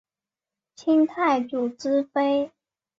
清太祖之妃。